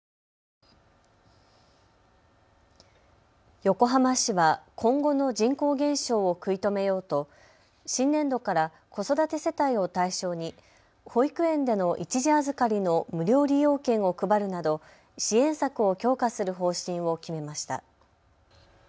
横浜市は今後の人口減少を食い止めようと新年度から子育て世帯を対象に保育園での一時預かりの無料利用券を配るなど支援策を強化する方針を決めました。